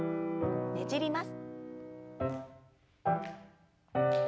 ねじります。